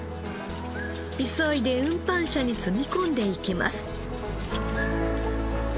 急いで運搬車に積み込んでいきます。